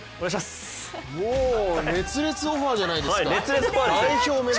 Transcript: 熱烈オファーじゃないですか。